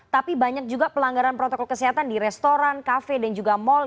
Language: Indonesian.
tapi banyak juga pelanggaran protokol kesehatan di restoran kafe dan juga mal